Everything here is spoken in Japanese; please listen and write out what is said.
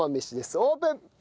オープン！